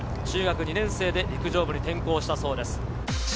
中学２年生で陸上部に転向したそうです。